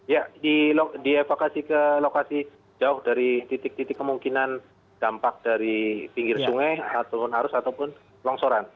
ya dievakuasi ke lokasi jauh dari titik titik kemungkinan dampak dari pinggir sungai ataupun arus ataupun longsoran